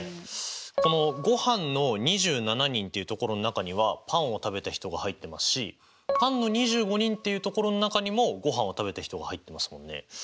このごはんの２７人っていう所の中にはパンを食べた人が入ってますしパンの２５人っていう所の中にもごはんを食べた人が入ってますもんね。